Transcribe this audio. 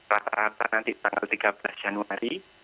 rata rata nanti tanggal tiga belas januari